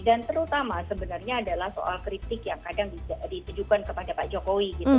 dan terutama sebenarnya adalah soal kritik yang kadang ditujukan kepada pak jokowi